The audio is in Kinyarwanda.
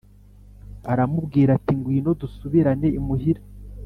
Aramubwira ati Ngwino dusubirane imuhira